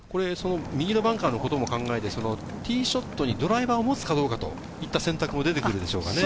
右のバンカーのことも考えて、ティーショットにドライバー持つかどうかといった選択も出てくるでしょうかね。